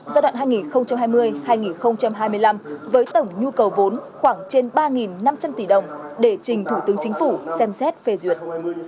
giai đoạn hai nghìn hai mươi hai nghìn hai mươi năm với tổng nhu cầu vốn khoảng trên ba năm trăm linh tỷ đồng để trình thủ tướng chính phủ xem xét phê duyệt